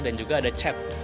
dan juga ada chat